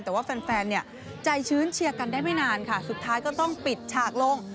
แต่ว่าแฟนเนี่ยใจชื้นเชียร์กันได้ไม่นานค่ะสุดท้ายก็ต้องปิดฉากลง